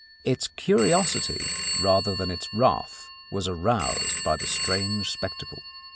Its curiosity rather than its wrath was aroused by the strange spectacle.